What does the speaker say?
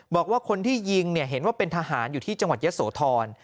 บอกว่าคนที่ยิงเนี่ยเห็นว่าเป็นทหารอยู่ที่จังหวัดยะโสธร